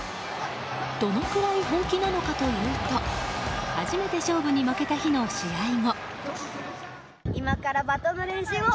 どのくらい本気なのかというと初めて勝負に負けた日の試合後。